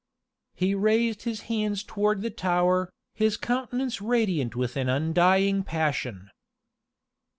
He raised his hands toward the tower, his countenance radiant with an undying passion.